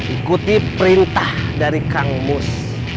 ikuti perintah dari kang mus